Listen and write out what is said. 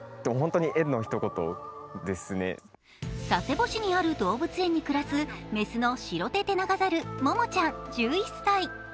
佐世保市にある動物園で暮らす雌のシロテテナガザル、モモちゃん１１歳。